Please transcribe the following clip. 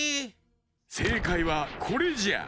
せいかいはこれじゃ。